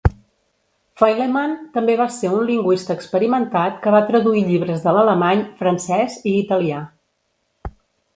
Fyleman també va ser un lingüista experimentat que va traduir llibres de l'alemany, francès i italià.